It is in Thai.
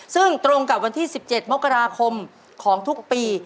ซึ่งตรงกับวันที่๑๗มกราคมของทุกปี